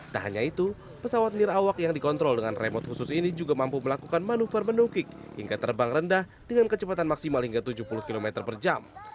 tak hanya itu pesawat nirawak yang dikontrol dengan remote khusus ini juga mampu melakukan manuver menukik hingga terbang rendah dengan kecepatan maksimal hingga tujuh puluh km per jam